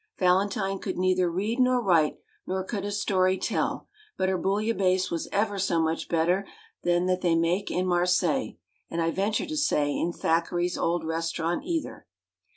Valentine could neither read nor write, nor could a story tell, but her Bouillebaisse was ever so much better than that they make in Mar seilles ( and I venture to say in Thackeray's old restaurant either)